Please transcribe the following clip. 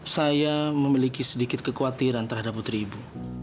saya memiliki sedikit kekhawatiran terhadap putri ibu